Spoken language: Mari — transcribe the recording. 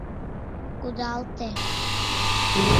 — Кудалте...